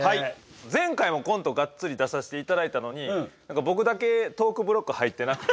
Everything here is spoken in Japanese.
前回もコントがっつり出させていただいたのに僕だけトークブロック入ってなくて。